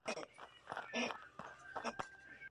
Ženy kvóty skutečně potřebují, pokud mají uspět.